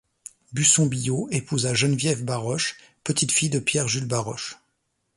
Busson-Billault épousa Geneviève Baroche, petite-fille de Pierre Jules Baroche.